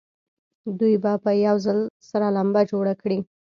دوی به په یوه ځل سره لمبه جوړه کړي.